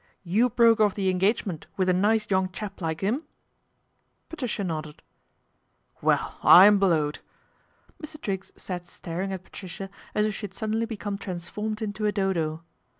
" You broke off the engagement with a nice young chap like im ?" Patricia nodded. " Well, I'm blowed !" Mr. Triggs sat staring it Patricia as if she had suddenly become trans 'ormed into a dodo.